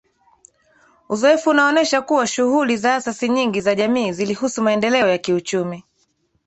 Uzoefu unaonesha kuwa shughuli za asasi nyingi za jamii zilihusu maendeleo ya kiuchumi